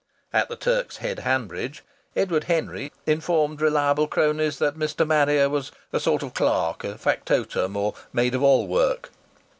At the Turk's Head, Hanbridge, Edward Henry informed reliable cronies that Mr. Marrier was a sort of clerk, factotum, or maid of all work.